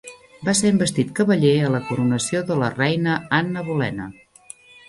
Va ser investit cavaller a la coronació de la reina Anna Bolena.